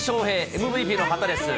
ＭＶＰの方です。